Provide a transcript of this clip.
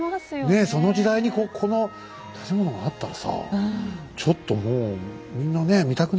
ねえその時代にこの建物があったらさちょっともうみんなね見たくなるよね何かね。